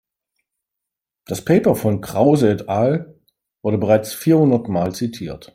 Das Paper von Krause et al. wurde bereits vierhundertmal zitiert.